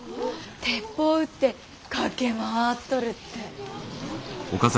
鉄砲撃って駆け回っとるって。